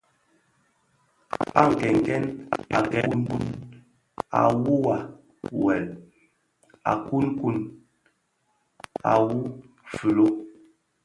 À kenken à këë kun à wuwà wëll, à kunkun à wu filo.